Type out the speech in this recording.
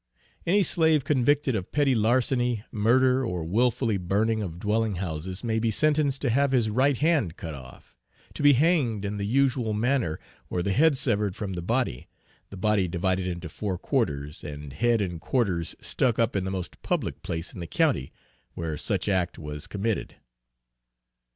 "Any slave convicted of petty larceny, murder, or wilfully burning of dwelling houses, may be sentenced to have his right hand cut off; to be hanged in the usual manner, or the head severed from the body, the body divided into four quarters, and head and quarters stuck up in the most public place in the county, where such act was committed."